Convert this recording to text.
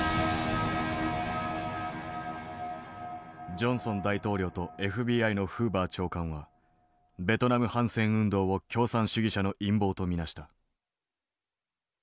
ジョンソン大統領とＦＢＩのフーバー長官はベトナム反戦運動を共産主義者の陰謀と見なした。